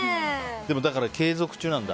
だから継続中なんだ。